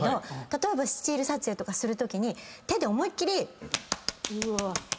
例えばスチール撮影とかするときに手で思いっ切り。